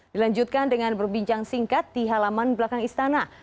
dilanjutkan dengan berbincang singkat di halaman belakang istana